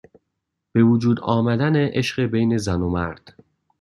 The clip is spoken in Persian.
به وجود آمدن عشق بین زن و مرد